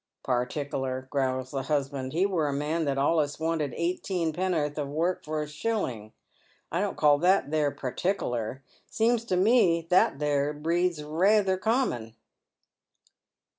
" Partikeller," growls the husband. " He were a man that alius wanted eighteenpennorth o' work for a shillin'. I don't call tliat there partikeller. Seems to me that there breed's rayther common."